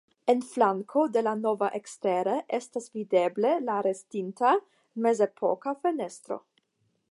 En flanko de la navo ekstere estas videbla la restinta mezepoka fenestro.